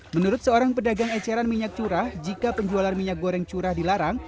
menurut seorang pedagang eceran minyak curah jika penjualan minyak goreng curah dilarang